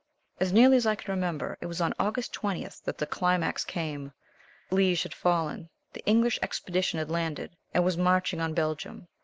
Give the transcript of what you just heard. As nearly as I can remember it was on August 20th that the climax came. Liège had fallen. The English Expedition had landed, and was marching on Belgium.